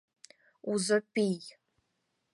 Узо пий.